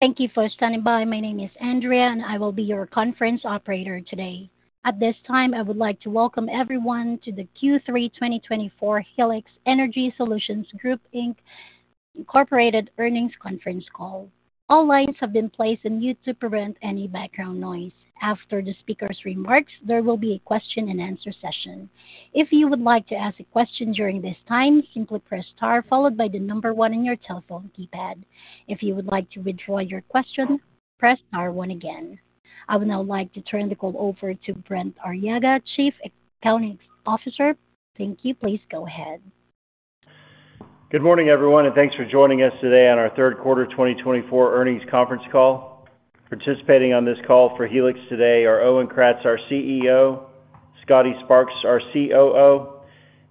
Thank you for standing by. My name is Andrea, and I will be your conference operator today. At this time, I would like to welcome everyone to the Q3 2024 Helix Energy Solutions Group, Inc earnings conference call. All lines have been placed on mute to prevent any background noise. After the speaker's remarks, there will be a question-and-answer session. If you would like to ask a question during this time, simply press star followed by the number one on your telephone keypad. If you would like to withdraw your question, press star one again. I would now like to turn the call over to Brent Arriaga, Chief Accounting Officer. Thank you. Please go ahead. Good morning, everyone, and thanks for joining us today on our third quarter 2024 earnings conference call. Participating on this call for Helix today are Owen Kratz, our CEO; Scotty Sparks, our COO;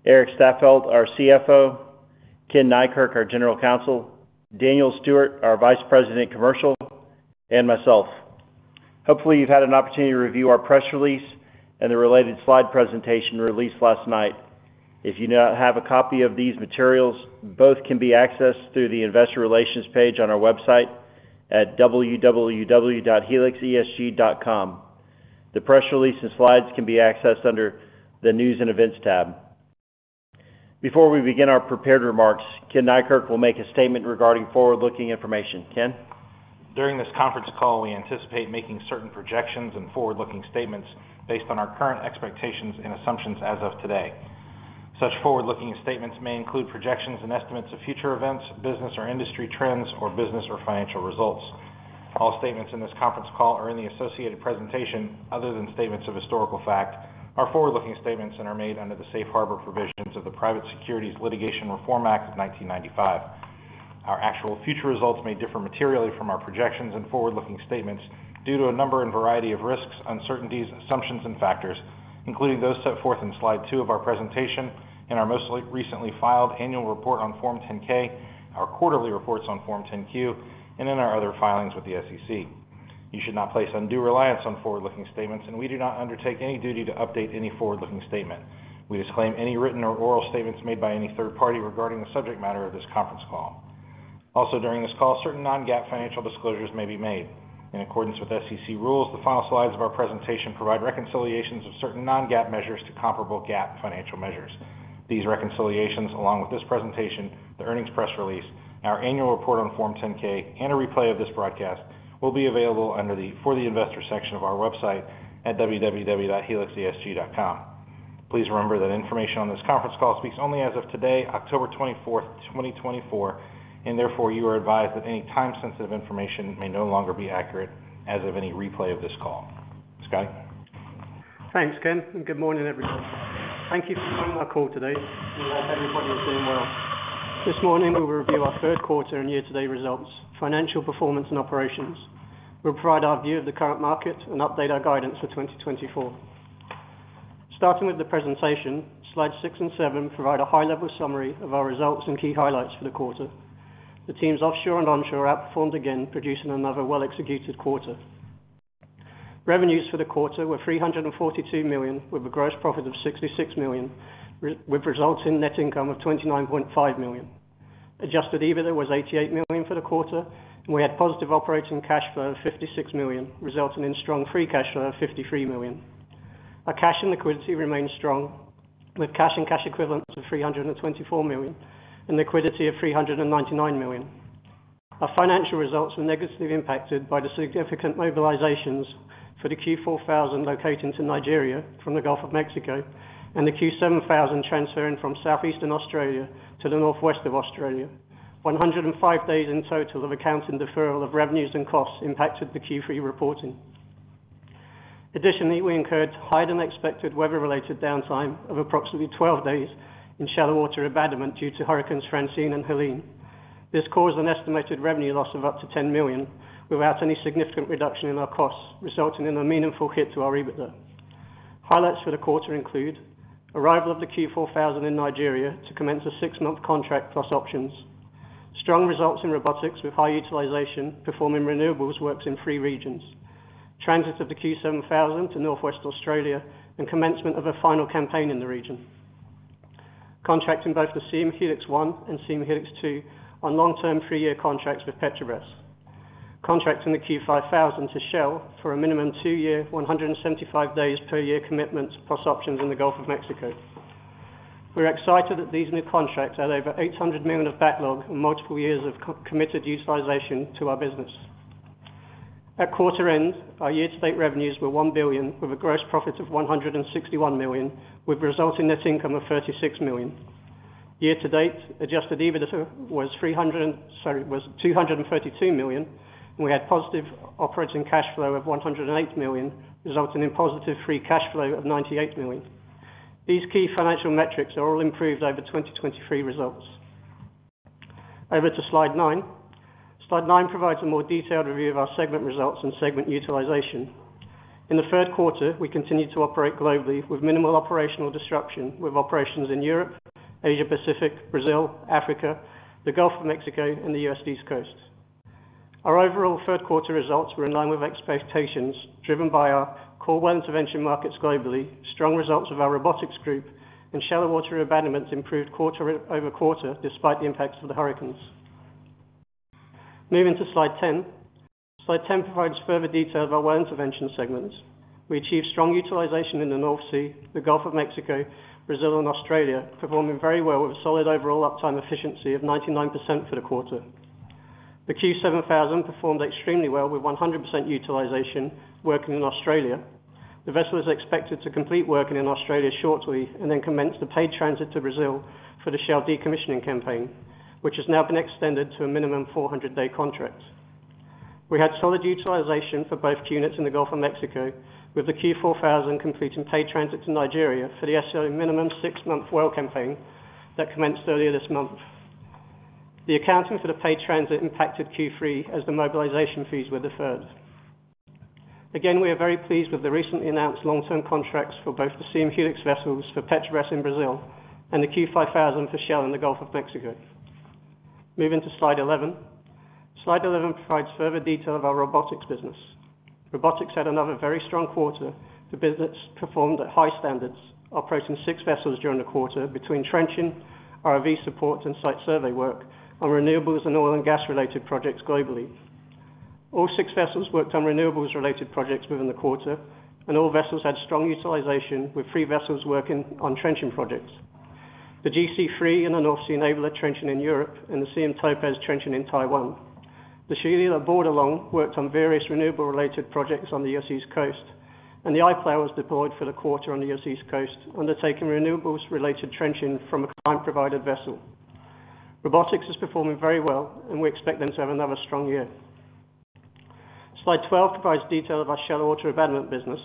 Erik Staffeldt, our CFO; Ken Neikirk, our General Counsel; Daniel Stewart, our Vice President, Commercial; and myself. Hopefully, you've had an opportunity to review our press release and the related slide presentation released last night. If you do not have a copy of these materials, both can be accessed through the Investor Relations page on our website at www.helixesg.com. The press release and slides can be accessed under the News and Events tab. Before we begin our prepared remarks, Ken Neikirk will make a statement regarding forward-looking information. Ken? During this conference call, we anticipate making certain projections and forward-looking statements based on our current expectations and assumptions as of today. Such forward-looking statements may include projections and estimates of future events, business or industry trends, or business or financial results. All statements in this conference call and in the associated presentation, other than statements of historical fact, are forward-looking statements and are made under the Safe Harbor provisions of the Private Securities Litigation Reform Act of nineteen ninety-five. Our actual future results may differ materially from our projections and forward-looking statements due to a number and variety of risks, uncertainties, assumptions, and factors, including those set forth in slide two of our presentation, in our most recently filed annual report on Form 10-K, our quarterly reports on Form 10-Q, and in our other filings with the SEC. You should not place undue reliance on forward-looking statements, and we do not undertake any duty to update any forward-looking statement. We disclaim any written or oral statements made by any third party regarding the subject matter of this conference call. Also, during this call, certain non-GAAP financial disclosures may be made. In accordance with SEC rules, the final slides of our presentation provide reconciliations of certain non-GAAP measures to comparable GAAP financial measures. These reconciliations, along with this presentation, the earnings press release, our annual report on Form 10-K, and a replay of this broadcast, will be available under the For the Investor section of our website at www.helixesg.com. Please remember that information on this conference call speaks only as of today, October twenty-fourth, twenty twenty-four, and therefore you are advised that any time-sensitive information may no longer be accurate as of any replay of this call. Scott? Thanks, Ken, and good morning, everyone. Thank you for joining our call today. We hope everybody is doing well. This morning, we will review our third quarter and year-to-date results, financial performance, and operations. We'll provide our view of the current market and update our guidance for 2024. Starting with the presentation, slides 6 and 7 provide a high-level summary of our results and key highlights for the quarter. The teams offshore and onshore outperformed again, producing another well-executed quarter. Revenues for the quarter were $342 million, with a gross profit of $66 million, with resulting net income of $29.5 million. Adjusted EBITDA was $88 million for the quarter, and we had positive operating cash flow of $56 million, resulting in strong free cash flow of $53 million. Our cash and liquidity remains strong, with cash and cash equivalents of $324 million and liquidity of $399 million. Our financial results were negatively impacted by the significant mobilizations for the Q4000 locating to Nigeria from the Gulf of Mexico, and the Q7000 transferring from Southeastern Australia to the northwest of Australia. 105 days in total of accounting deferral of revenues and costs impacted the Q3 reporting. Additionally, we incurred higher-than-expected weather-related downtime of approximately 12 days in shallow water abandonment due to hurricanes Francine and Helene. This caused an estimated revenue loss of up to $10 million without any significant reduction in our costs, resulting in a meaningful hit to our EBITDA. Highlights for the quarter include arrival of the Q4000 in Nigeria to commence a 6-month contract plus options. Strong results in robotics with high utilization, performing renewables works in three regions. Transit of the Q7000 to Northwest Australia and commencement of a final campaign in the region. Contracts for both the Siem Helix 1 and Siem Helix 2 on long-term three-year contracts with Petrobras. Contracts for the Q5000 to Shell for a minimum two-year, 175 days per year commitment plus options in the Gulf of Mexico. We're excited that these new contracts add over $800 million of backlog and multiple years of committed utilization to our business. At quarter end, our year-to-date revenues were $1 billion, with a gross profit of $161 million, with resulting net income of $36 million. Year-to-date, adjusted EBITDA was, sorry, $232 million, and we had positive operating cash flow of $108 million, resulting in positive free cash flow of $98 million. These key financial metrics are all improved over 2023 results. Over to slide 9. Slide 9 provides a more detailed review of our segment results and segment utilization. In the third quarter, we continued to operate globally with minimal operational disruption, with operations in Europe, Asia Pacific, Brazil, Africa, the Gulf of Mexico, and the U.S. East Coast. Our overall third-quarter results were in line with expectations, driven by our core intervention markets globally, strong results of our robotics group and shallow water abandonment improved quarter over quarter, despite the impacts of the hurricanes. Moving to slide 10. Slide 10 provides further detail of our well intervention segments. We achieved strong utilization in the North Sea, the Gulf of Mexico, Brazil, and Australia, performing very well with a solid overall uptime efficiency of 99% for the quarter. The Q7000 performed extremely well, with 100% utilization working in Australia. The vessel is expected to complete working in Australia shortly and then commence the paid transit to Brazil for the Shell decommissioning campaign, which has now been extended to a minimum 400-day contract. We had solid utilization for both units in the Gulf of Mexico, with the Q4000 completing paid transit to Nigeria for the Esso minimum six-month well campaign that commenced earlier this month. The accounting for the paid transit impacted Q3 as the mobilization fees were deferred. Again, we are very pleased with the recently announced long-term contracts for both the Siem Helix vessels for Petrobras in Brazil and the Q5000 for Shell in the Gulf of Mexico. Moving to slide 11. Slide 11 provides further detail of our robotics business. Robotics had another very strong quarter. The business performed at high standards, operating six vessels during the quarter between trenching, ROV support, and site survey work on renewables and oil and gas-related projects globally. All six vessels worked on renewables-related projects within the quarter, and all vessels had strong utilization, with three vessels working on trenching projects. The GC3 in the North Sea enabled a trenching in Europe and the Siem Topaz trenching in Taiwan. The Shelia Bordelon worked on various renewable-related projects on the U.S. East Coast, and the i-Plough was deployed for the quarter on the U.S. East Coast, undertaking renewables-related trenching from a client-provided vessel. Robotics is performing very well, and we expect them to have another strong year. Slide twelve provides detail of our shallow water abandonment business.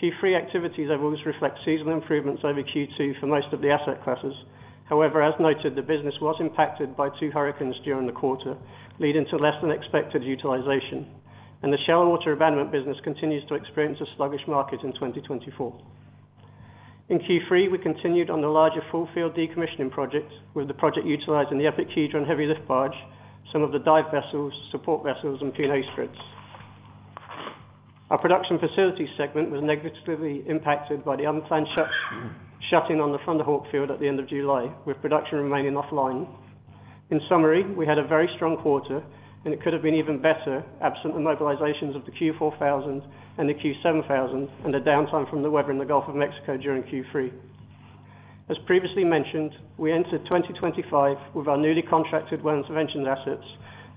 Q3 activity levels reflect seasonal improvements over Q2 for most of the asset classes. However, as noted, the business was impacted by two hurricanes during the quarter, leading to less than expected utilization, and the shallow water abandonment business continues to experience a sluggish market in 2024. In Q3, we continued on the larger full field decommissioning project, with the project utilizing the EPIC Hedron heavy lift barge, some of the dive vessels, support vessels, and P&A spreads. Our production facility segment was negatively impacted by the unplanned shutdown on the Thunder Hawk field at the end of July, with production remaining offline. In summary, we had a very strong quarter, and it could have been even better absent the mobilizations of the Q4000 and the Q7000, and the downtime from the weather in the Gulf of Mexico during Q3. As previously mentioned, we entered 2025 with our newly contracted well intervention assets,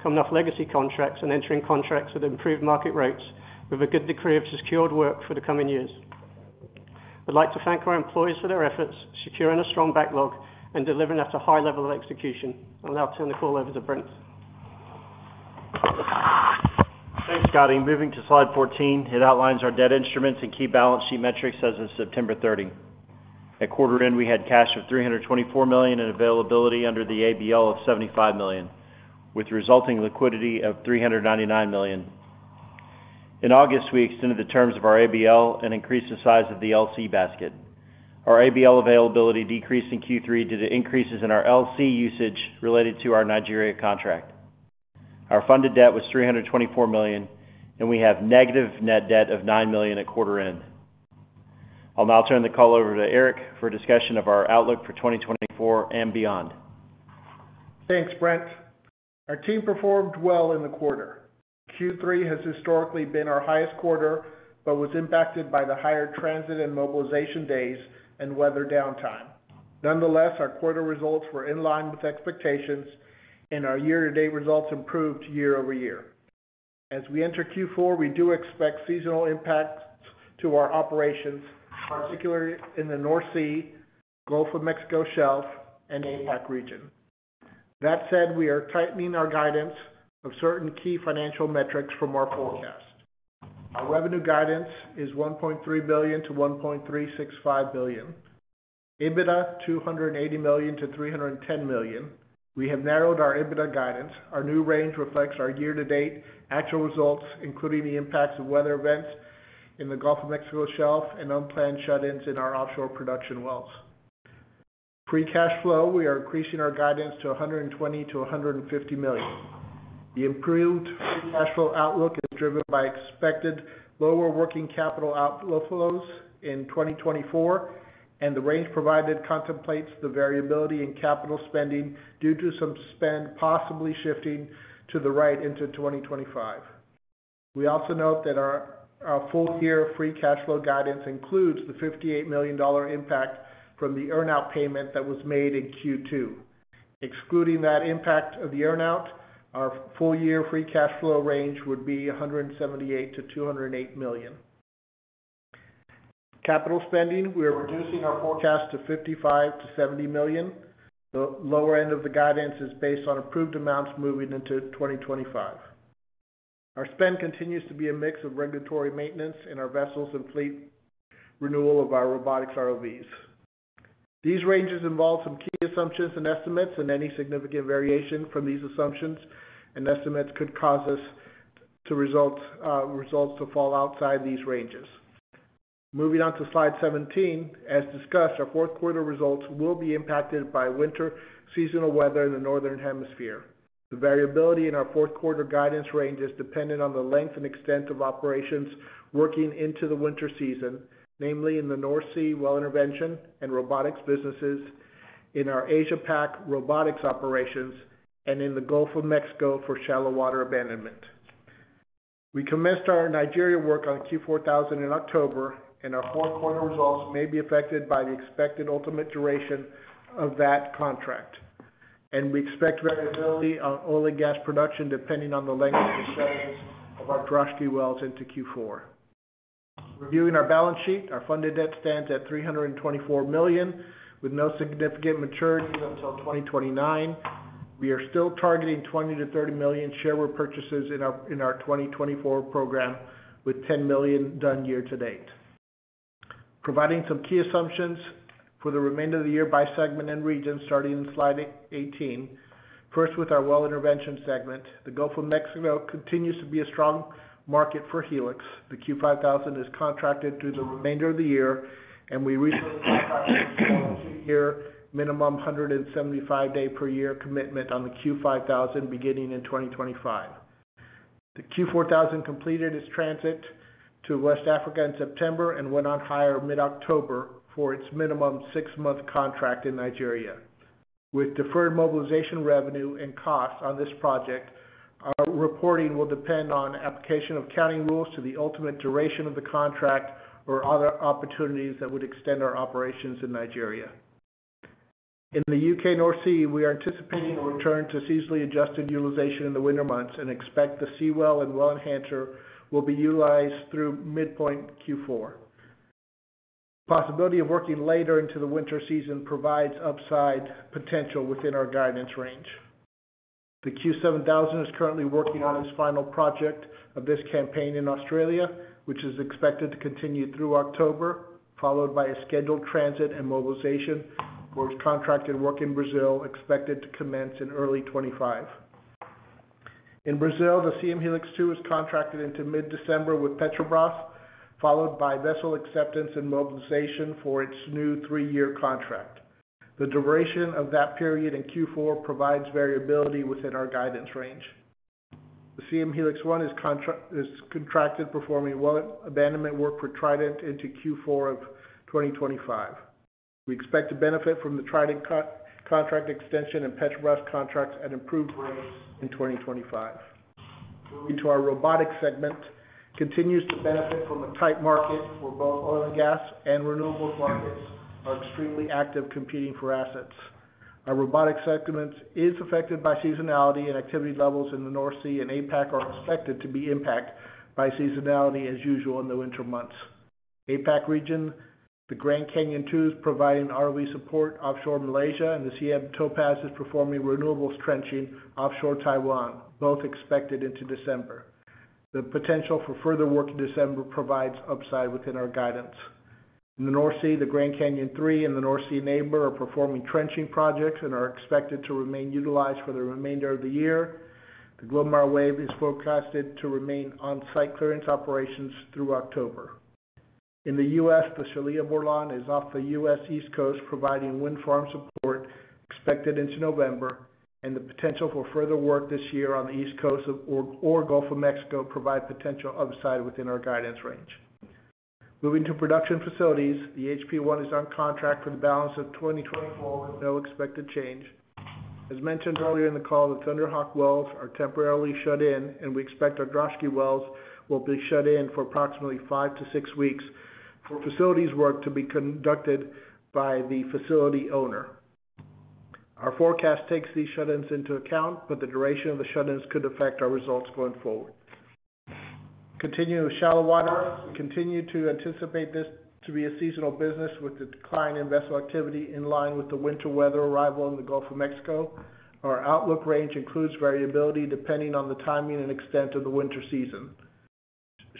coming off legacy contracts and entering contracts at improved market rates with a good degree of secured work for the coming years. I'd like to thank our employees for their efforts, securing a strong backlog and delivering at a high level of execution. I'll now turn the call over to Brent. Thanks, Scotty. Moving to slide 14, it outlines our debt instruments and key balance sheet metrics as of September 30. At quarter end, we had cash of $324 million in availability under the ABL of $75 million, with resulting liquidity of $399 million. In August, we extended the terms of our ABL and increased the size of the LC basket. Our ABL availability decreased in Q3 due to increases in our LC usage related to our Nigeria contract. Our funded debt was $324 million, and we have negative net debt of $9 million at quarter end. I'll now turn the call over to Erik for a discussion of our outlook for 2024 and beyond. Thanks, Brent. Our team performed well in the quarter. Q3 has historically been our highest quarter, but was impacted by the higher transit and mobilization days and weather downtime. Nonetheless, our quarter results were in line with expectations, and our year-to-date results improved year over year. As we enter Q4, we do expect seasonal impacts to our operations, particularly in the North Sea, Gulf of Mexico Shelf, and APAC region. That said, we are tightening our guidance of certain key financial metrics from our forecast. Our revenue guidance is $1.3 billion-$1.365 billion. EBITDA, $280 million-$310 million. We have narrowed our EBITDA guidance. Our new range reflects our year-to-date actual results, including the impacts of weather events in the Gulf of Mexico Shelf and unplanned shut-ins in our offshore production wells. Free cash flow, we are increasing our guidance to $120 million-$150 million. The improved free cash flow outlook is driven by expected lower working capital outflows in 2024, and the range provided contemplates the variability in capital spending due to some spend possibly shifting to the right into 2025. We also note that our full-year free cash flow guidance includes the $58 million impact from the earn-out payment that was made in Q2. Excluding that impact of the earn-out, our full-year free cash flow range would be $178 million-$208 million. Capital spending, we are reducing our forecast to $55 million-$70 million. The lower end of the guidance is based on approved amounts moving into 2025. Our spend continues to be a mix of regulatory maintenance in our vessels and fleet renewal of our robotics ROVs. These ranges involve some key assumptions and estimates, and any significant variation from these assumptions and estimates could cause our results to fall outside these ranges. Moving on to slide 17, as discussed, our fourth quarter results will be impacted by winter seasonal weather in the Northern Hemisphere. The variability in our fourth quarter guidance range is dependent on the length and extent of operations working into the winter season, namely in the North Sea Well Intervention and Robotics businesses, in our Asia Pac Robotics operations, and in the Gulf of Mexico for shallow water abandonment. We commenced our Nigeria work on Q4000 in October, and our fourth quarter results may be affected by the expected ultimate duration of that contract, and we expect variability on oil and gas production, depending on the length of the shut-ins of our Droshky wells into Q4. Reviewing our balance sheet, our funded debt stands at $324 million, with no significant maturities until 2029. We are still targeting 20 million-30 million share repurchases in our 2024 program, with 10 million done year to date. Providing some key assumptions for the remainder of the year by segment and region, starting in slide 18. First, with our well intervention segment, the Gulf of Mexico continues to be a strong market for Helix. The Q5000 is contracted through the remainder of the year, and we recently signed a two-year minimum 175-day per year commitment on the Q5000 beginning in 2025. The Q4000 completed its transit to West Africa in September and went on hire mid-October for its minimum six-month contract in Nigeria. With deferred mobilization revenue and costs on this project, our reporting will depend on application of accounting rules to the ultimate duration of the contract or other opportunities that would extend our operations in Nigeria. In the U.K. North Sea, we are anticipating a return to seasonally adjusted utilization in the winter months and expect the Seawell and Well Enhancer will be utilized through midpoint Q4. Possibility of working later into the winter season provides upside potential within our guidance range. The Q7000 is currently working on its final project of this campaign in Australia, which is expected to continue through October, followed by a scheduled transit and mobilization for its contracted work in Brazil, expected to commence in early twenty-five. In Brazil, the Siem Helix 2 is contracted into mid-December with Petrobras, followed by vessel acceptance and mobilization for its new three-year contract. The duration of that period in Q4 provides variability within our guidance range. The Siem Helix 1 is contracted, performing well abandonment work for Trident into Q4 of 2025. We expect to benefit from the Trident contract extension and Petrobras contracts at improved rates in 2025. Moving to our robotics segment, continues to benefit from a tight market, where both oil and gas and renewables markets are extremely active, competing for assets. Our robotics segment is affected by seasonality, and activity levels in the North Sea and APAC are expected to be impacted by seasonality as usual in the winter months. APAC region, the Grand Canyon II, is providing ROV support offshore Malaysia, and the Siem Topaz is performing renewables trenching offshore Taiwan, both expected into December. The potential for further work in December provides upside within our guidance. In the North Sea, the Grand Canyon III and the North Sea Enabler are performing trenching projects and are expected to remain utilized for the remainder of the year. The Glomar Wave is forecasted to remain on site clearance operations through October. In the U.S., the Shelia Bordelon is off the U.S. East Coast, providing wind farm support expected into November, and the potential for further work this year on the East Coast or Gulf of Mexico provide potential upside within our guidance range. Moving to production facilities, the HP-1 is on contract for the balance of 2024, with no expected change. As mentioned earlier in the call, the Thunder Hawk wells are temporarily shut in, and we expect our Droshky wells will be shut in for approximately five to six weeks for facilities work to be conducted by the facility owner. Our forecast takes these shut-ins into account, but the duration of the shut-ins could affect our results going forward. Continuing with shallow water, we continue to anticipate this to be a seasonal business, with the decline in vessel activity in line with the winter weather arrival in the Gulf of Mexico. Our outlook range includes variability, depending on the timing and extent of the winter season.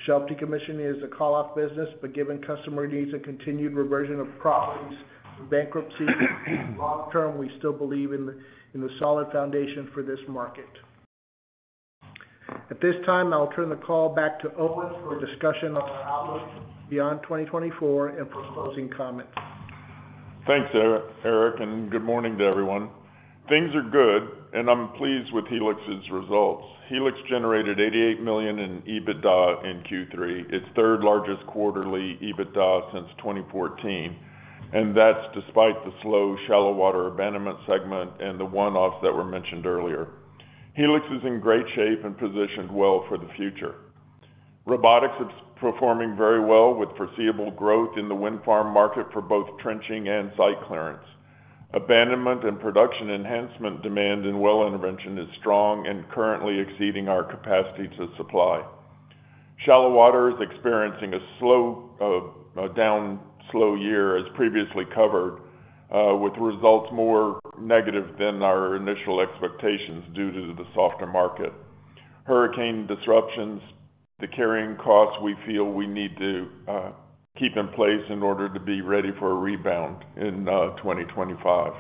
Shelf decommissioning is a call-off business, but given customer needs a continued reversion of properties, bankruptcy, long term, we still believe in the solid foundation for this market. At this time, I'll turn the call back to Owen for a discussion on our outlook beyond 2024 and for closing comments. Thanks, Erik, and good morning to everyone. Things are good, and I'm pleased with Helix's results. Helix generated $88 million in EBITDA in Q3, its third-largest quarterly EBITDA since 2014, and that's despite the slow, shallow water abandonment segment and the one-offs that were mentioned earlier. Helix is in great shape and positioned well for the future. Robotics is performing very well, with foreseeable growth in the wind farm market for both trenching and site clearance. Abandonment and production enhancement demand and well intervention is strong and currently exceeding our capacity to supply. Shallow water is experiencing a slow year, as previously covered, with results more negative than our initial expectations due to the softer market. Hurricane disruptions, the carrying costs we feel we need to keep in place in order to be ready for a rebound in 2025.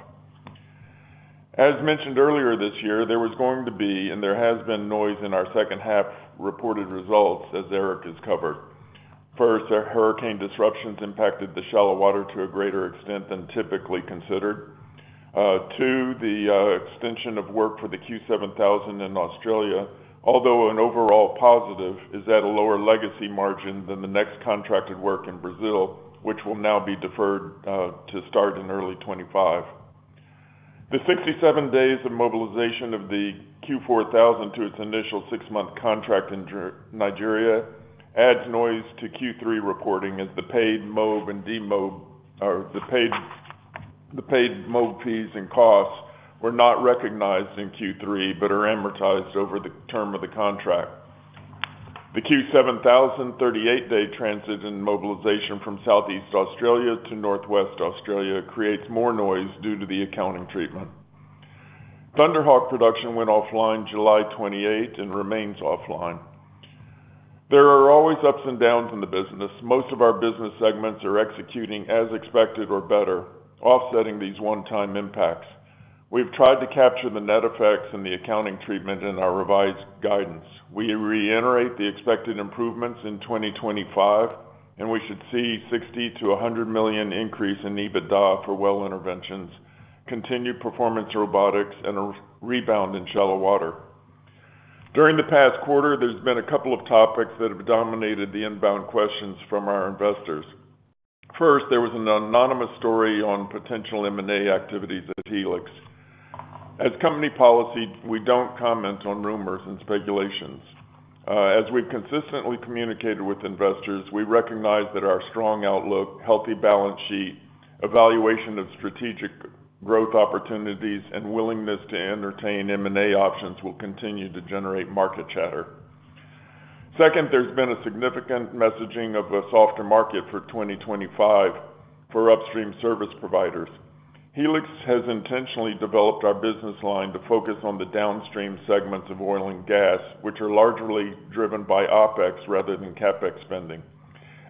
As mentioned earlier this year, there was going to be, and there has been noise in our second half reported results, as Erik has covered. First, the hurricane disruptions impacted the shallow water to a greater extent than typically considered. Two, the extension of work for the Q7000 in Australia, although an overall positive, is at a lower legacy margin than the next contracted work in Brazil, which will now be deferred to start in early 2025. The 67 days of mobilization of the Q4000 to its initial six-month contract in Nigeria adds noise to Q3 reporting, as the paid mob and demob fees and costs were not recognized in Q3, but are amortized over the term of the contract. The Q7000 38-day transit and mobilization from Southeastern Australia to Northwest Australia creates more noise due to the accounting treatment. Hawk production went offline July 28 and remains offline. There are always ups and downs in the business. Most of our business segments are executing as expected or better, offsetting these one-time impacts. We've tried to capture the net effects and the accounting treatment in our revised guidance. We reiterate the expected improvements in 2025, and we should see $60-100 million increase in EBITDA for well interventions, continued performance robotics, and a rebound in shallow water. During the past quarter, there's been a couple of topics that have dominated the inbound questions from our investors. First, there was an anonymous story on potential M&A activities at Helix. As company policy, we don't comment on rumors and speculations. As we've consistently communicated with investors, we recognize that our strong outlook, healthy balance sheet, evaluation of strategic growth opportunities, and willingness to entertain M&A options will continue to generate market chatter. Second, there's been a significant messaging of a softer market for 2025 for upstream service providers. Helix has intentionally developed our business line to focus on the downstream segments of oil and gas, which are largely driven by OpEx rather than CapEx spending.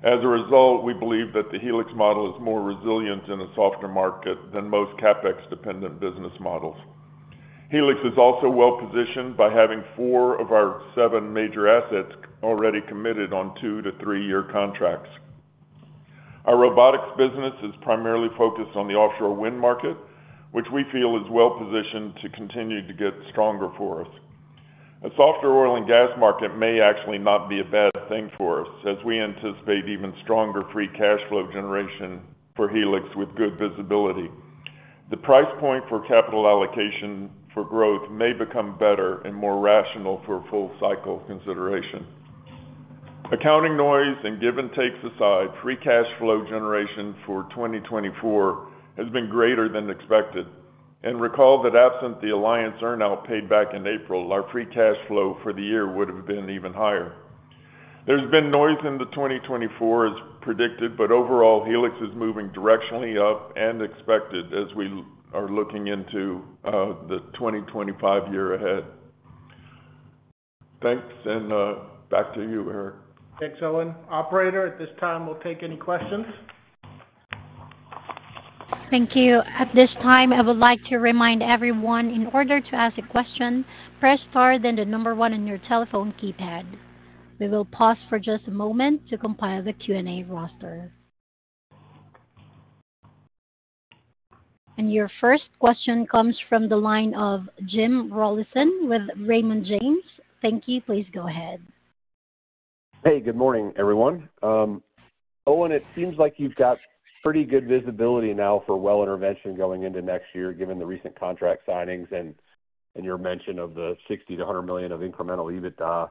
As a result, we believe that the Helix model is more resilient in a softer market than most CapEx-dependent business models. Helix is also well positioned by having four of our seven major assets already committed on two- to three-year contracts. Our robotics business is primarily focused on the offshore wind market, which we feel is well positioned to continue to get stronger for us. A softer oil and gas market may actually not be a bad thing for us, as we anticipate even stronger free cash flow generation for Helix with good visibility. The price point for capital allocation for growth may become better and more rational for full cycle consideration. Accounting noise and give and takes aside, free cash flow generation for 2024 has been greater than expected. And recall that absent the Alliance earn-out paid back in April, our free cash flow for the year would've been even higher. There's been noise in the 2024, as predicted, but overall, Helix is moving directionally up and expected as we are looking into the 2025 year ahead. Thanks, and back to you, Erik. Thanks, Owen. Operator, at this time, we'll take any questions. Thank you. At this time, I would like to remind everyone, in order to ask a question, press star then the number one on your telephone keypad. We will pause for just a moment to compile the Q&A roster. And your first question comes from the line of Jim Rollyson with Raymond James. Thank you. Please go ahead. Hey, good morning, everyone. Owen, it seems like you've got pretty good visibility now for well intervention going into next year, given the recent contract signings and your mention of the $60 million-$100 million of incremental EBITDA.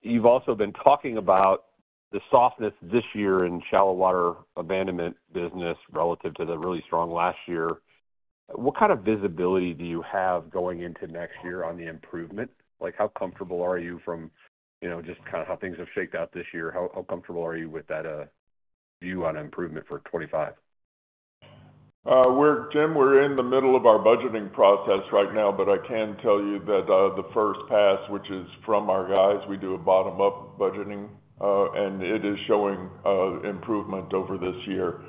You've also been talking about the softness this year in shallow water abandonment business relative to the really strong last year. What kind of visibility do you have going into next year on the improvement? Like, how comfortable are you from, you know, just kind of how things have shaped out this year, how comfortable are you with that view on improvement for 2025? Jim, we're in the middle of our budgeting process right now, but I can tell you that the first pass, which is from our guys, we do a bottom-up budgeting, and it is showing improvement over this year.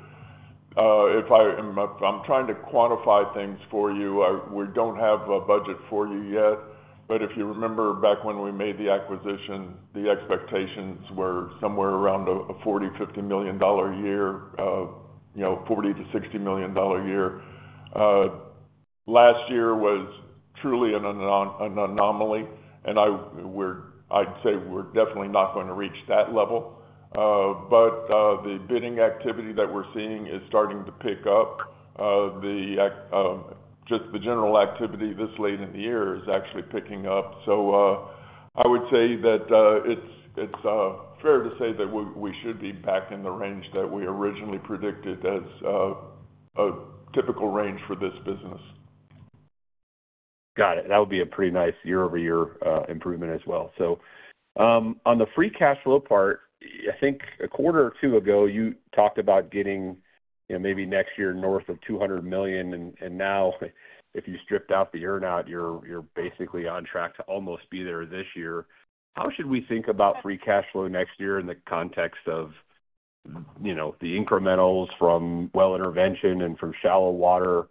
I'm trying to quantify things for you. We don't have a budget for you yet, but if you remember back when we made the acquisition, the expectations were somewhere around $40 million-$50 million a year, you know, $40 million-$60 million a year. Last year was truly an anomaly, and I'd say we're definitely not going to reach that level. But the bidding activity that we're seeing is starting to pick up. Just the general activity this late in the year is actually picking up. I would say that it's fair to say that we should be back in the range that we originally predicted as a typical range for this business. Got it. That would be a pretty nice year-over-year improvement as well. So, on the free cash flow part, I think a quarter or two ago, you talked about getting, you know, maybe next year, North of $200 million, and now, if you stripped out the earn-out, you're basically on track to almost be there this year. How should we think about free cash flow next year in the context of, you know, the incrementals from well intervention and from shallow water,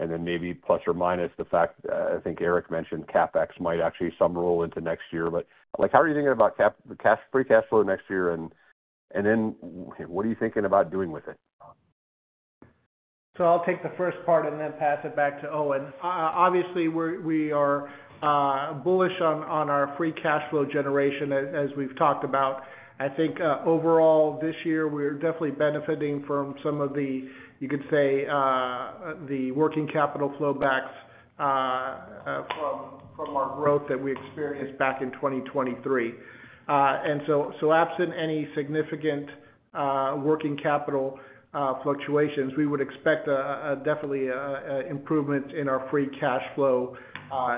and then maybe plus or minus the fact, I think Erik mentioned CapEx might actually some roll into next year. But, like, how are you thinking about free cash flow next year, and then what are you thinking about doing with it? So I'll take the first part and then pass it back to Owen. Obviously, we're bullish on our free cash flow generation, as we've talked about. I think overall, this year, we're definitely benefiting from some of the, you could say, the working capital flow backs from our growth that we experienced back in 2023. And so absent any significant working capital fluctuations, we would expect definitely improvement in our free cash flow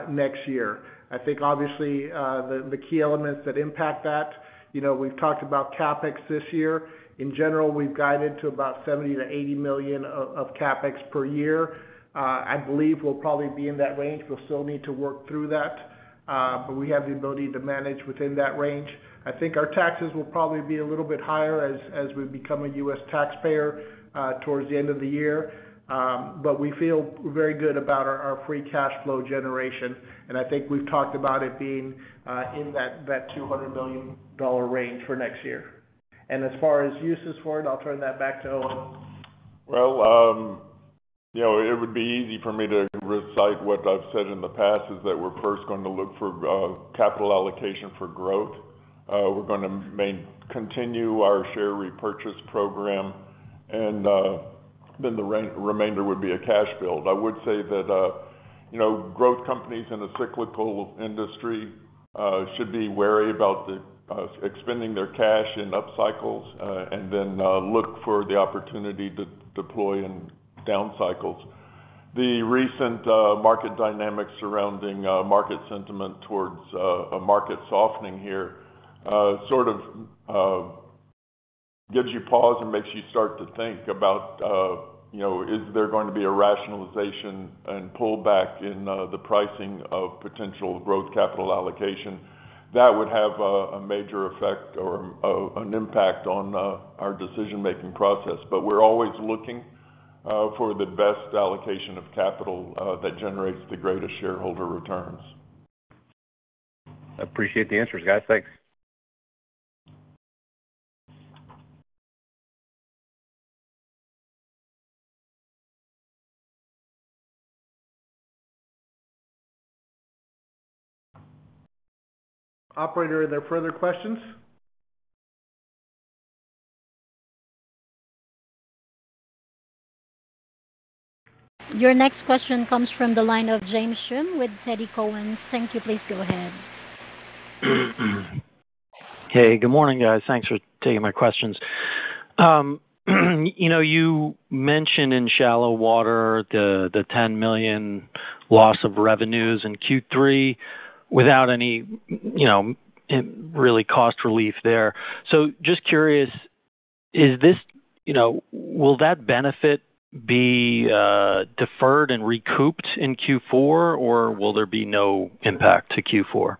next year. I think obviously the key elements that impact that, you know, we've talked about CapEx this year. In general, we've guided to about $70 million-$80 million of CapEx per year. I believe we'll probably be in that range. We'll still need to work through that, but we have the ability to manage within that range. I think our taxes will probably be a little bit higher as we become a U.S. taxpayer towards the end of the year, but we feel very good about our free cash flow generation, and I think we've talked about it being in that $200 million range for next year, and as far as uses for it, I'll turn that back to Owen. You know, it would be easy for me to recite what I've said in the past: we're first going to look for capital allocation for growth. We're gonna continue our share repurchase program, and then the remainder would be a cash build. I would say that, you know, growth companies in a cyclical industry should be wary about expending their cash in upcycles, and then look for the opportunity to deploy in downcycles. The recent market dynamics surrounding market sentiment towards a market softening here sort of gives you pause and makes you start to think about, you know, is there going to be a rationalization and pullback in the pricing of potential growth capital allocation? That would have a major effect or an impact on our decision-making process. But we're always looking for the best allocation of capital that generates the greatest shareholder returns. I appreciate the answers, guys. Thanks. Operator, are there further questions? Your next question comes from the line of James Schumm with TD Cowen. Thank you. Please go ahead. Hey, good morning, guys. Thanks for taking my questions. You know, you mentioned in shallow water, the $10 million loss of revenues in Q3 without any, you know, really cost relief there. So just curious, is this? You know, will that benefit be deferred and recouped in Q4, or will there be no impact to Q4?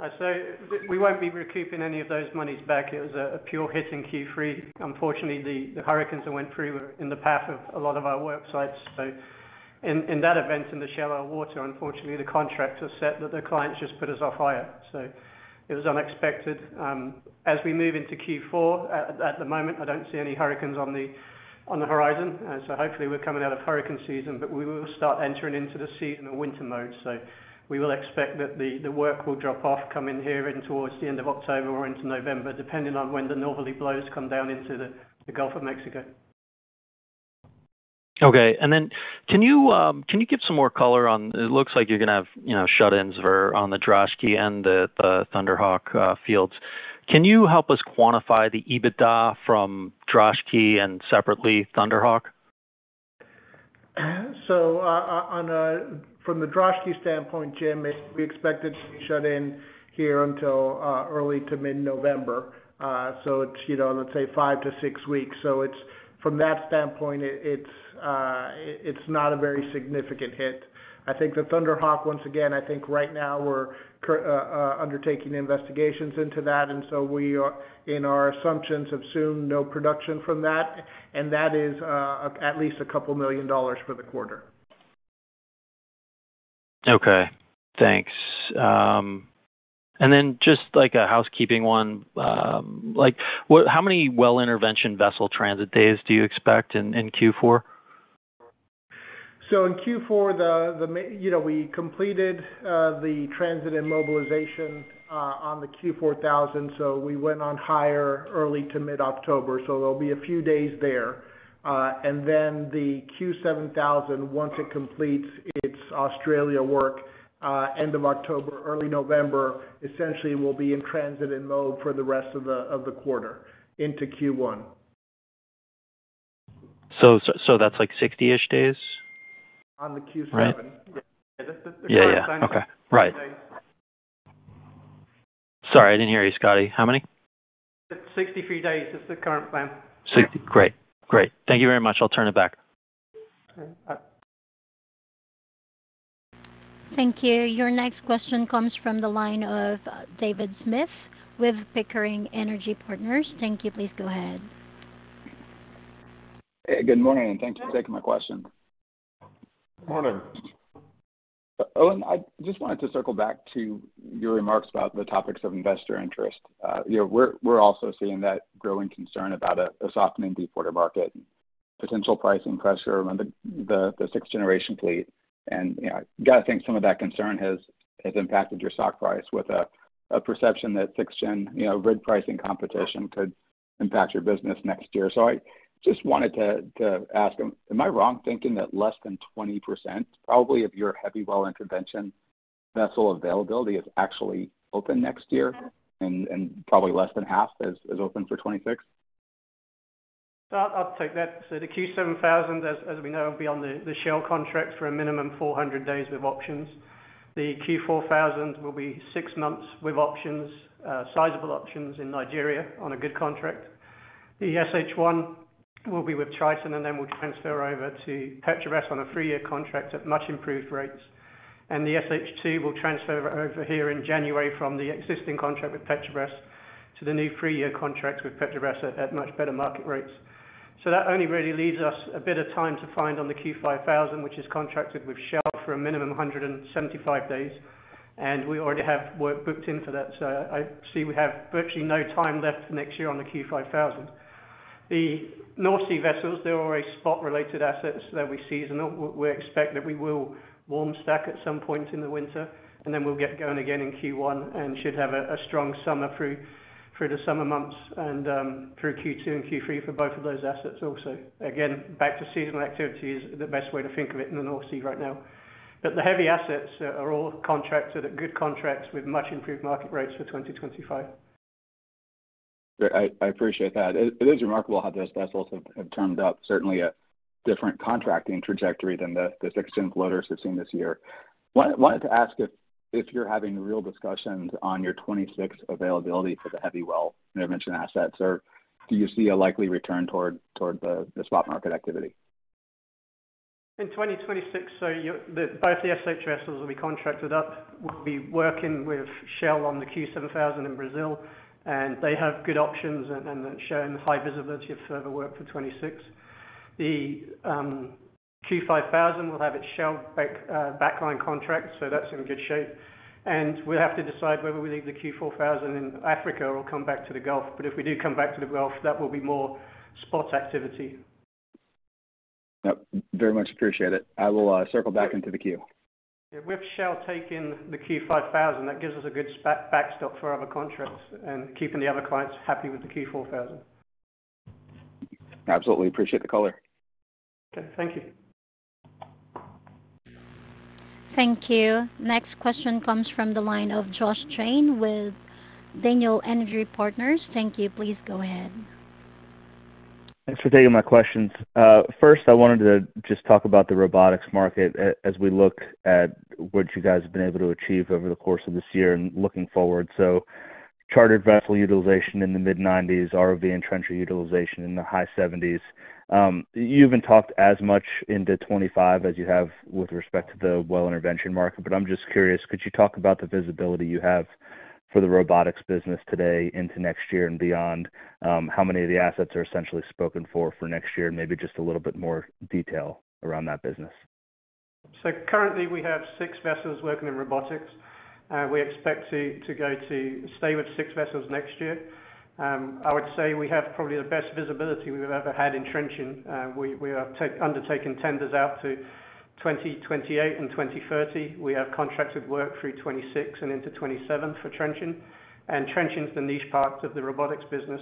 I'd say we won't be recouping any of those monies back. It was a pure hit in Q3. Unfortunately, the hurricanes that went through were in the path of a lot of our worksites. So in that event, in the shallow water, unfortunately, the contracts are set that the clients just put us off higher. So it was unexpected. As we move into Q4, at the moment, I don't see any hurricanes on the horizon. So hopefully, we're coming out of hurricane season, but we will start entering into the season of winter mode. So we will expect that the work will drop off coming here in towards the end of October or into November, depending on when the northerly blows come down into the Gulf of Mexico. Okay. And then can you, can you give some more color on it looks like you're gonna have, you know, shut-ins for, on the Droshky and the Thunder Hawk, fields. Can you help us quantify the EBITDA from Droshky and separately, Thunder Hawk? So, from the Droshky standpoint, Jim, we expect it to be shut in here until early to mid-November. So it's, you know, let's say, five to six weeks. So it's, from that standpoint, it's not a very significant hit. I think the Thunder Hawk, once again, I think right now we're undertaking investigations into that, and so we are assuming no production from that, and that is at least $2 million for the quarter. Okay, thanks, and then just like a housekeeping one, like, how many well intervention vessel transit days do you expect in Q4? So in Q4, you know, we completed the transit and mobilization on the Q4000, so we went on hire early to mid-October, so there'll be a few days there. And then the Q7000, once it completes its Australia work, end of October, early November, essentially will be in transit and mode for the rest of the quarter into Q1. So that's like sixty-ish days? On the Q7000. Right. Yeah, that's the current plan. Yeah, yeah. Okay, right. Sorry, I didn't hear you, Scotty. How many? 63 days is the current plan. Sixty. Great. Great. Thank you very much. I'll turn it back. Okay, bye.... Thank you. Your next question comes from the line of David Smith with Pickering Energy Partners. Thank you. Please go ahead. Hey, good morning, and thank you for taking my question. Good morning. Owen, I just wanted to circle back to your remarks about the topics of investor interest. You know, we're also seeing that growing concern about a softening deepwater market, potential pricing pressure on the sixth generation fleet. And, you know, I gotta think some of that concern has impacted your stock price with a perception that sixth gen, you know, rig pricing competition could impact your business next year. So I just wanted to ask, am I wrong thinking that less than 20% probably of your heavy well intervention vessel availability is actually open next year, and probably less than half is open for 2026? I'll take that, so the Q7000, as we know, will be on the Shell contract for a minimum 400 days with options. The Q4000 will be six months with options, sizable options in Nigeria on a good contract. The SH1 will be with Trident, and then will transfer over to Petrobras on a three-year contract at much improved rates, and the SH2 will transfer over here in January from the existing contract with Petrobras to the new three-year contract with Petrobras at much better market rates, so that only really leaves us a bit of time to find on the Q5000, which is contracted with Shell for a minimum 175 days, and we already have work booked in for that, so I see we have virtually no time left next year on the Q5000. The North Sea vessels, they're all spot-related assets that we seasonal. We expect that we will warm stack at some point in the winter, and then we'll get going again in Q1, and should have a strong summer through the summer months and through Q2 and Q3 for both of those assets also. Again, back to seasonal activity is the best way to think of it in the North Sea right now. But the heavy assets are all contracted at good contracts with much improved market rates for 2025. Great. I appreciate that. It is remarkable how those vessels have turned up, certainly a different contracting trajectory than the sixth-gen floaters we've seen this year. Wanted to ask if you're having real discussions on your 2026 availability for the heavy well intervention assets, or do you see a likely return toward the spot market activity? In 2026, both the SH vessels will be contracted up. We'll be working with Shell on the Q7000 in Brazil, and they have good options and showing high visibility of further work for 2026. The Q5000 will have its Shell backlog contract, so that's in good shape. And we'll have to decide whether we leave the Q4000 in Africa or come back to the Gulf. But if we do come back to the Gulf, that will be more spot activity. Yep. Very much appreciate it. I will circle back into the queue. Yeah, with Shell taking the Q5000, that gives us a good backstop for other contracts and keeping the other clients happy with the Q4000. Absolutely. Appreciate the color. Okay, thank you. Thank you. Next question comes from the line of Josh Jayne with Daniel Energy Partners. Thank you. Please go ahead. Thanks for taking my questions. First, I wanted to just talk about the robotics market as we look at what you guys have been able to achieve over the course of this year and looking forward. So chartered vessel utilization in the mid-nineties, ROV and trencher utilization in the high seventies. You even talked as much into twenty-five as you have with respect to the well intervention market, but I'm just curious, could you talk about the visibility you have for the robotics business today into next year and beyond? How many of the assets are essentially spoken for, for next year, and maybe just a little bit more detail around that business? So currently, we have six vessels working in robotics, and we expect to stay with six vessels next year. I would say we have probably the best visibility we've ever had in trenching. We are undertaking tenders out to 2028 and 2030. We have contracted work through 2026 and into 2027 for trenching, and trenching is the niche part of the robotics business.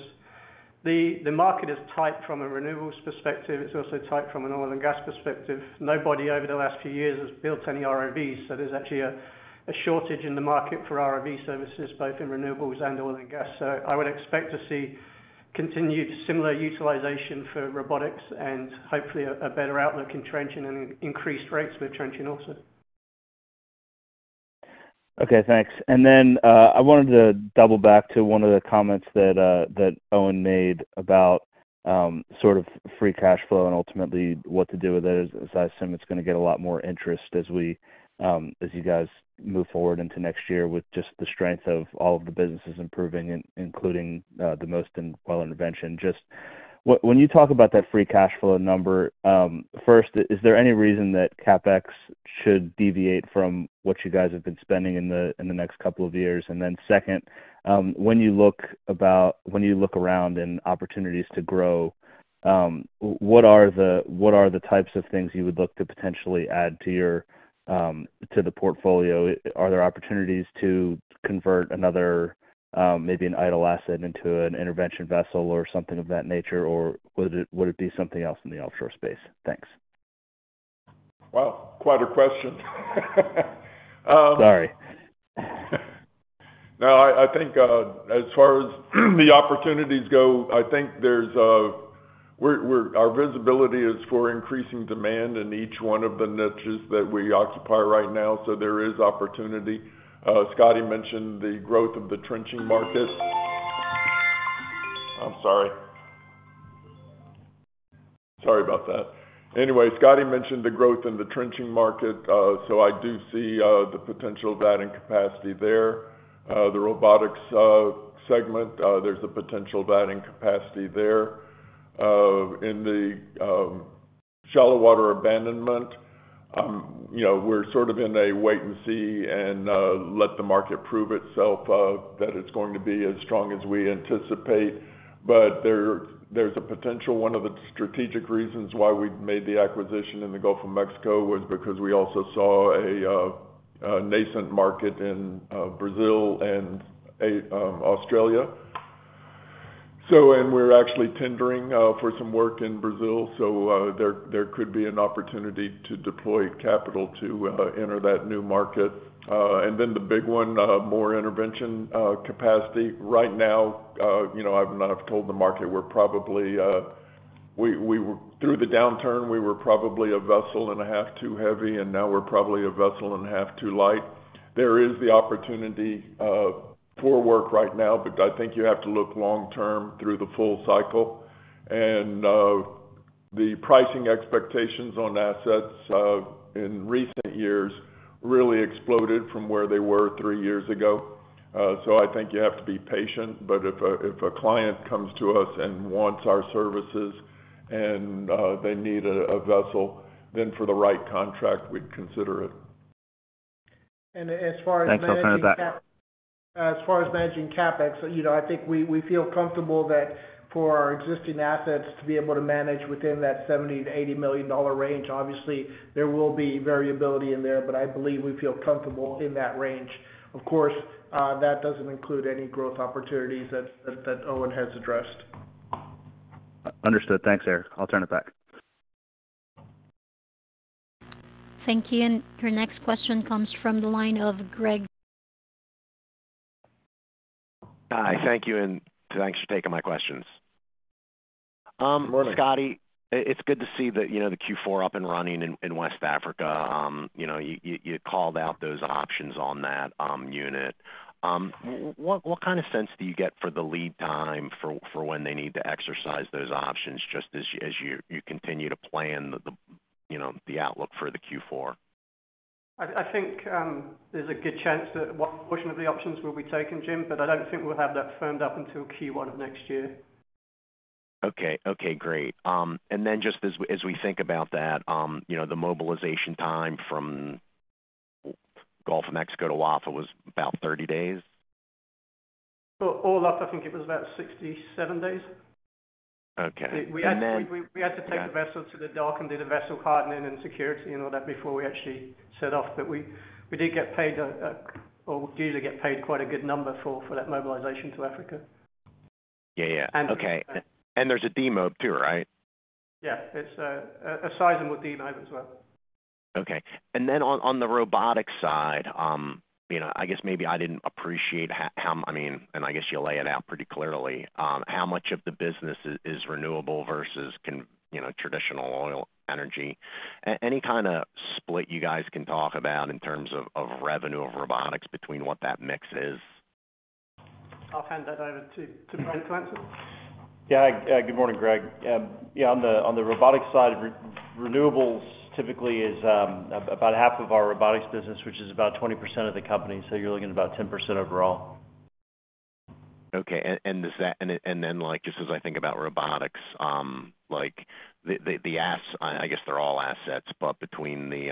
The market is tight from a renewables perspective. It's also tight from an oil and gas perspective. Nobody over the last few years has built any ROVs, so there's actually a shortage in the market for ROV services, both in renewables and oil and gas. So I would expect to see continued similar utilization for robotics and hopefully a better outlook in trenching and increased rates with trenching also. Okay, thanks, and then I wanted to double back to one of the comments that Owen made about sort of free cash flow and ultimately what to do with it, as I assume it's gonna get a lot more interest as you guys move forward into next year with just the strength of all of the businesses improving, including the most in well intervention. Just, when you talk about that free cash flow number, first, is there any reason that CapEx should deviate from what you guys have been spending in the next couple of years? And then second, when you look around for opportunities to grow, what are the types of things you would look to potentially add to your portfolio? Are there opportunities to convert another, maybe an idle asset into an intervention vessel or something of that nature, or would it be something else in the offshore space? Thanks. Wow, quite a question. Sorry. No, I think as far as the opportunities go, I think there's our visibility is for increasing demand in each one of the niches that we occupy right now, so there is opportunity. Scotty mentioned the growth of the trenching market. I'm sorry. Sorry about that. Anyway, Scotty mentioned the growth in the trenching market, so I do see the potential of adding capacity there. The robotics segment, there's a potential of adding capacity there. In the shallow water abandonment, you know, we're sort of in a wait and see and let the market prove itself that it's going to be as strong as we anticipate. But there's a potential. One of the strategic reasons why we made the acquisition in the Gulf of Mexico was because we also saw a nascent market in Brazil and Australia. And we're actually tendering for some work in Brazil, so there could be an opportunity to deploy capital to enter that new market. And then the big one, more intervention capacity. Right now, you know, I've not have told the market, we're probably through the downturn, we were probably a vessel and a half too heavy, and now we're probably a vessel and a half too light. There is the opportunity for work right now, but I think you have to look long term through the full cycle. And the pricing expectations on assets in recent years really exploded from where they were three years ago. So I think you have to be patient, but if a client comes to us and wants our services and they need a vessel, then for the right contract, we'd consider it. Thanks, I'll turn it back. As far as managing CapEx, you know, I think we feel comfortable that for our existing assets we can manage within that $70 million-$80 million range. Obviously, there will be variability in there, but I believe we feel comfortable in that range. Of course, that doesn't include any growth opportunities that Owen has addressed. Understood. Thanks, Erik. I'll turn it back. Thank you. And your next question comes from the line of Greg. Hi, thank you, and thanks for taking my questions. Scotty, it's good to see that, you know, the Q4000 up and running in West Africa. You know, you called out those options on that unit. What kind of sense do you get for the lead time for when they need to exercise those options, just as you continue to plan the, you know, the outlook for the Q4000? I think there's a good chance that one portion of the options will be taken, Jim, but I don't think we'll have that firmed up until Q1 of next year. Okay. Okay, great. And then just as we think about that, you know, the mobilization time from Gulf of Mexico to West Africa was about 30 days? All up, I think it was about 67 days. Okay, and then- We had to take the vessel to the dock and do the vessel hardening and security and all that before we actually set off. But we did get paid or due to get paid quite a good number for that mobilization to Africa. Yeah, yeah. And- Okay, and there's a demo, too, right? Yeah, it's a size and with demo as well. Okay. And then on the robotic side, you know, I guess maybe I didn't appreciate how—I mean, and I guess you lay it out pretty clearly, how much of the business is renewable versus—you know, traditional oil energy. Any kind of split you guys can talk about in terms of revenue of robotics between what that mix is? I'll hand that over to Erik to answer. Yeah. Good morning, Greg. Yeah, on the robotics side, renewables typically is about half of our robotics business, which is about 20% of the company, so you're looking at about 10% overall. Okay, and does that-- and then, like, just as I think about robotics, like, the assets- I guess they're all assets, but between the...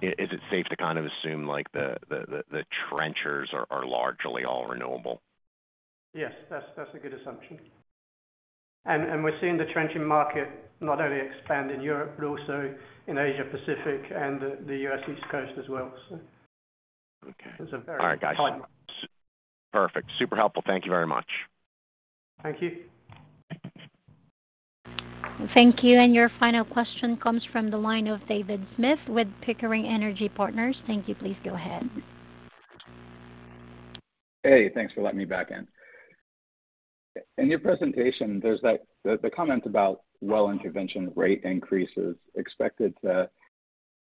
Is it safe to kind of assume, like, the trenchers are largely all renewable? Yes, that's a good assumption. And we're seeing the trenching market not only expand in Europe, but also in Asia Pacific and the U.S. East Coast as well, so- Okay. It's a very- All right, guys. Perfect. Super helpful. Thank you very much. Thank you. Thank you, and your final question comes from the line of David Smith with Pickering Energy Partners. Thank you. Please go ahead. Hey, thanks for letting me back in. In your presentation, there's that, the comment about well intervention rate increases, expected to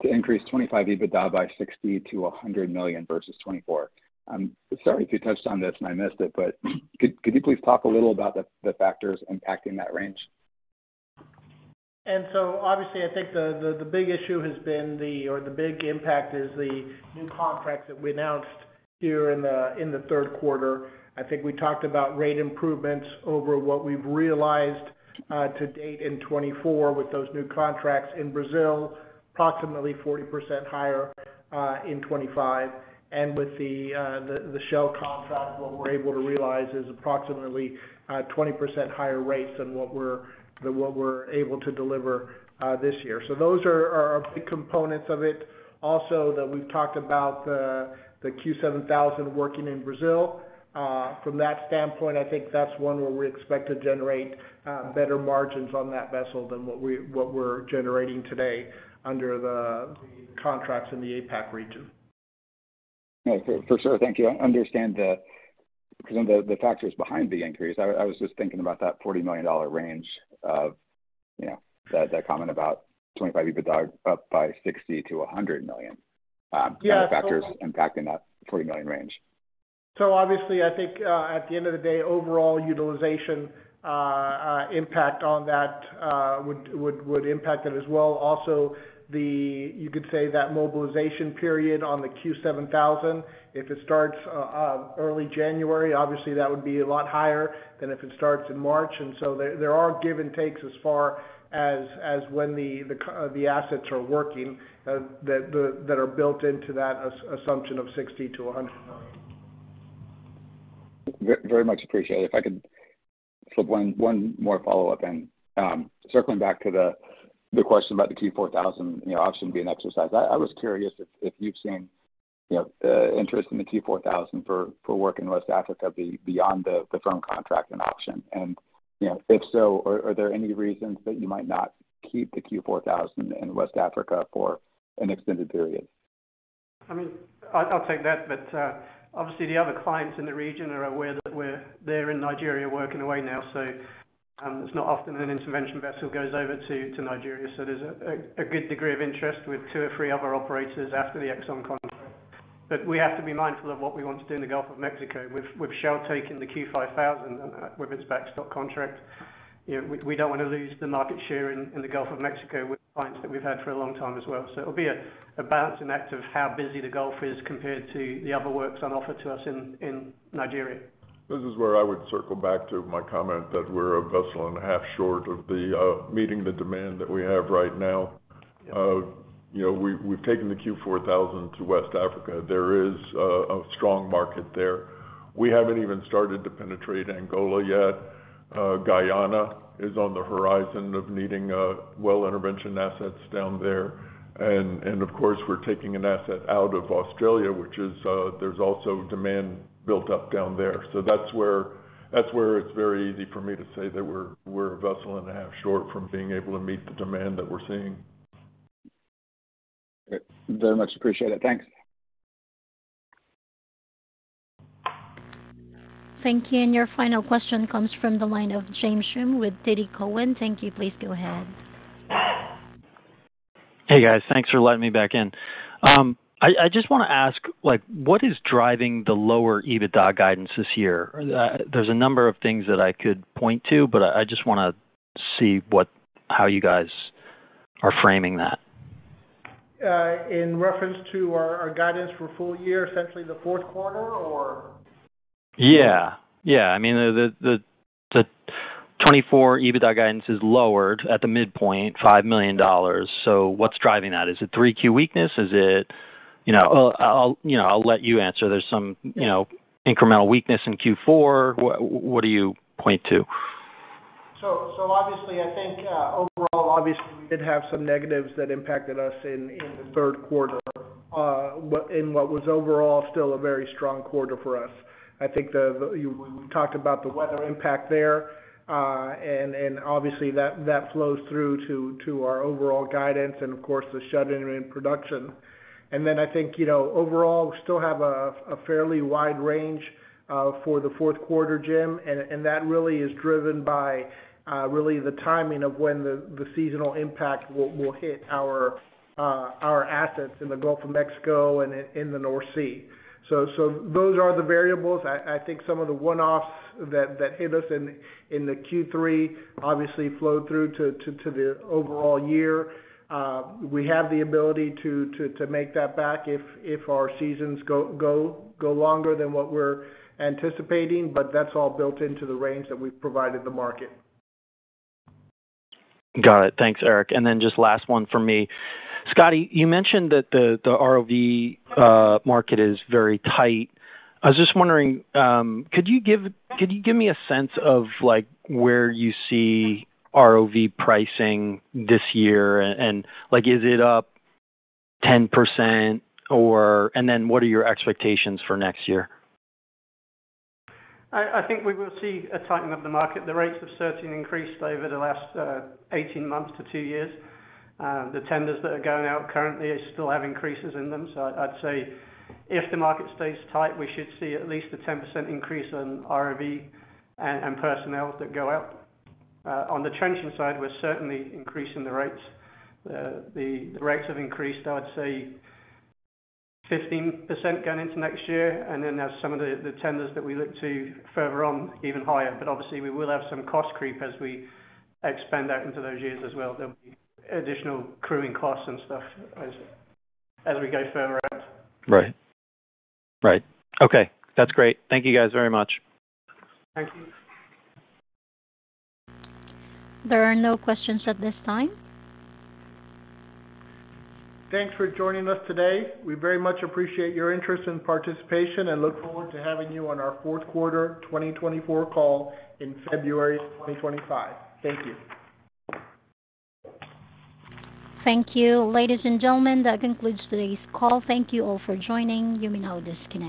increase 2025 EBITDA by $60 million-$100 million versus 2024. I'm sorry if you touched on this and I missed it, but could you please talk a little about the factors impacting that range? Obviously, I think the big impact is the new contracts that we announced here in the third quarter. I think we talked about rate improvements over what we've realized to date in 2024 with those new contracts in Brazil, approximately 40% higher in 2025. With the Shell contract, what we're able to realize is approximately 20% higher rates than what we're able to deliver this year. Those are big components of it. Also, we've talked about the Q7000 working in Brazil. From that standpoint, I think that's one where we expect to generate better margins on that vessel than what we're generating today under the contracts in the APAC region. Yeah, for sure. Thank you. I understand the kind of factors behind the increase. I was just thinking about that $40 million range of, you know, that comment about 25 EBITDA, up by $60 million-$100 million. Yeah. Any factors impacting that $40 million range? ... So obviously, I think at the end of the day, overall utilization impact on that would impact it as well. Also, you could say that mobilization period on the Q7000, if it starts early January, obviously that would be a lot higher than if it starts in March. And so there are give and takes as far as when the assets are working that are built into that assumption of $60 million-$100 million. Very much appreciated. If I could slip one more follow-up in. Circling back to the question about the Q4000, you know, option being exercised, I was curious if you've seen, you know, interest in the Q4000 for work in West Africa beyond the firm contract and option. And, you know, if so, are there any reasons that you might not keep the Q4000 in West Africa for an extended period? I mean, I'll take that, but obviously, the other clients in the region are aware that we're there in Nigeria, working away now. So, it's not often that an intervention vessel goes over to Nigeria. So there's a good degree of interest with two or three other operators after the Exxon contract. But we have to be mindful of what we want to do in the Gulf of Mexico. With Shell taking the Q5000 and with its backstop contract, you know, we don't wanna lose the market share in the Gulf of Mexico with clients that we've had for a long time as well. So it'll be a balancing act of how busy the Gulf is compared to the other works on offer to us in Nigeria. This is where I would circle back to my comment that we're a vessel and a half short of the meeting the demand that we have right now. You know, we've taken the Q4000 to West Africa. There is a strong market there. We haven't even started to penetrate Angola yet. Guyana is on the horizon of needing well intervention assets down there. And of course, we're taking an asset out of Australia, which is, there's also demand built up down there. So that's where it's very easy for me to say that we're a vessel and a half short from being able to meet the demand that we're seeing. Great. Very much appreciate it. Thanks. Thank you. And your final question comes from the line of James Schumm with TD Cowen. Thank you. Please go ahead. Hey, guys. Thanks for letting me back in. I just wanna ask, like, what is driving the lower EBITDA guidance this year? There's a number of things that I could point to, but I just wanna see what-- how you guys are framing that. In reference to our guidance for full year, essentially the fourth quarter, or? Yeah. Yeah. I mean, the twenty-four EBITDA guidance is lowered at the midpoint $5 million. So what's driving that? Is it Q3 weakness? Is it, you know? I'll, you know, I'll let you answer. There's some, you know, incremental weakness in Q4. What do you point to? So obviously, I think overall, obviously, we did have some negatives that impacted us in the third quarter, in what was overall still a very strong quarter for us. I think we talked about the weather impact there, and obviously that flows through to our overall guidance and of course the shut-in and production. And then I think, you know, overall, we still have a fairly wide range for the fourth quarter, Jim, and that really is driven by really the timing of when the seasonal impact will hit our assets in the Gulf of Mexico and in the North Sea. So those are the variables. I think some of the one-offs that hit us in the Q3 obviously flowed through to the overall year. We have the ability to make that back if our seasons go longer than what we're anticipating, but that's all built into the range that we've provided the market. Got it. Thanks, Erik. And then just last one for me. Scotty, you mentioned that the ROV market is very tight. I was just wondering, could you give me a sense of, like, where you see ROV pricing this year? And, like, is it up 10%, or? And then, what are your expectations for next year? I think we will see a tightening of the market. The rates have certainly increased over the last eighteen months to two years. The tenders that are going out currently still have increases in them. So I'd say if the market stays tight, we should see at least a 10% increase in ROV and personnel that go out. On the trenching side, we're certainly increasing the rates. The rates have increased, I'd say 15% going into next year, and then as some of the tenders that we look to further on, even higher. But obviously, we will have some cost creep as we expand out into those years as well. There'll be additional crewing costs and stuff as we go further out. Right. Right. Okay, that's great. Thank you guys very much. Thank you. There are no questions at this time. Thanks for joining us today. We very much appreciate your interest and participation, and look forward to having you on our fourth quarter twenty twenty-four call in February twenty twenty-five. Thank you. Thank you. Ladies and gentlemen, that concludes today's call. Thank you all for joining. You may now disconnect.